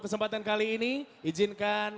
kesempatan kali ini izinkan